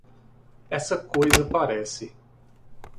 Essa coisa parece